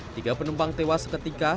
tiga penumpang tewas seketika